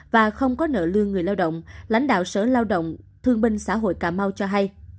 và không có nợ lương người lao động lãnh đạo sở lao động thương binh xã hội cà mau cho hay